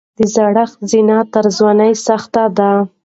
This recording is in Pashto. د زړښت زینه تر ځوانۍ سخته ده.